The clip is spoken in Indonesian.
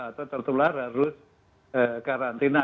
atau tertular harus karantina